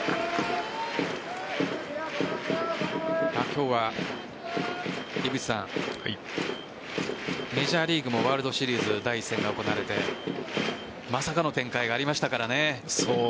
今日はメジャーリーグもワールドシリーズ第１戦が行われてまさかの展開がありましたからね。